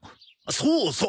そうそう。